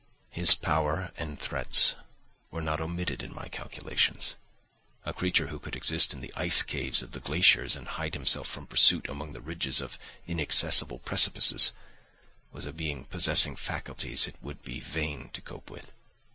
His power and threats were not omitted in my calculations; a creature who could exist in the ice caves of the glaciers and hide himself from pursuit among the ridges of inaccessible precipices was a being possessing faculties it would be vain to cope with.